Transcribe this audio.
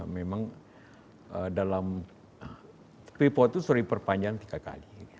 memang dalam freeport itu sering terpanjang tiga kali